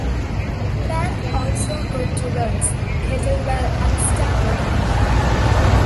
Paths also go towards Kettlewell and Starbotton.